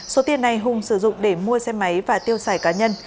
số tiền này hùng sử dụng để mua xe máy và tiêu xài cá nhân